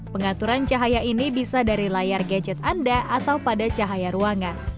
pengaturan cahaya ini bisa dari layar gadget anda atau pada cahaya ruangan